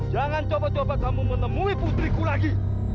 jangan coba coba kamu menemui putriku lagi